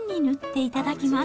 いただきます。